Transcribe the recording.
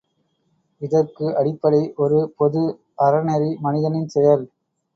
இதற்கு அடிப்படை ஒரு பொது அறநெறி மனிதனின் செயல்!